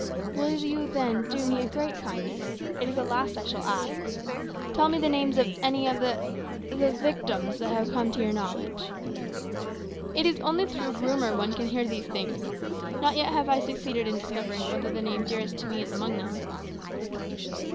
"Will you, then, do me a great kindness? It is the last I shall ask. Tell me the names of any of the the victims that have come to your knowledge." "It is only through rumour one can hear these things. Not yet have I succeeded in discovering whether the name dearest to me is amongst them."